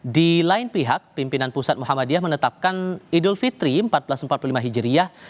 di lain pihak pimpinan pusat muhammadiyah menetapkan idul fitri seribu empat ratus empat puluh lima hijriah